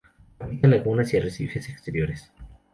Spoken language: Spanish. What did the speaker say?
Habita lagunas y arrecifes exteriores.